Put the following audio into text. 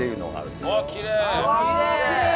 うわっきれい！